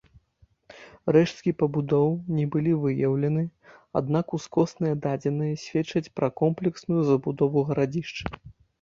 Рэшткі пабудоў не былі выяўлены, аднак ускосныя дадзеныя сведчаць пра комплексную забудову гарадзішча.